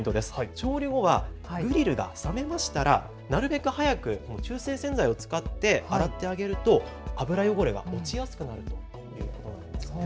調理後はグリルが冷めましたらなるべく早く中性洗剤を使って洗ってあげると脂汚れが落ちやすくなるということです。